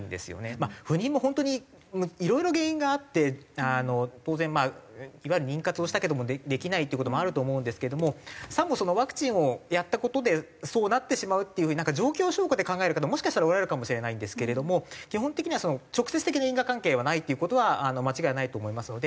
まあ不妊も本当にいろいろ原因があって当然まあいわゆる妊活をしたけどもできないっていう事もあると思うんですけどもさもそのワクチンをやった事でそうなってしまうっていう風になんか状況証拠で考える方もしかしたらおられるかもしれないんですけれども基本的には直接的な因果関係はないっていう事は間違いないと思いますので。